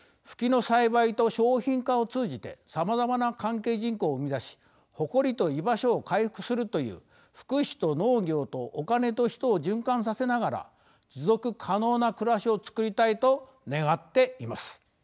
蕗の栽培と商品化を通じてさまざまな関係人口を生み出し誇りと居場所を回復するという福祉と農業とお金と人を循環させながら持続可能な暮らしをつくりたいと願っています。